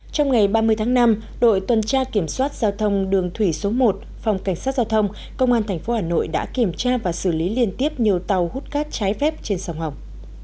trong ngày ba mươi tháng năm đội tuần tra kiểm soát giao thông đường thủy số một phòng cảnh sát giao thông công an tp hà nội đã kiểm tra và xử lý liên tiếp nhiều tàu hút cát trái phép trên sông hồng